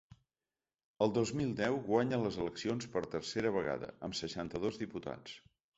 El dos mil deu guanya les eleccions per tercera vegada, amb seixanta-dos diputats.